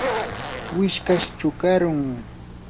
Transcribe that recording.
wishkash chukarum.